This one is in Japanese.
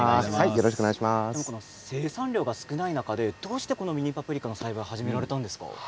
生産量が少ない中でどうしてミニパプリカの栽培を始めたんですか？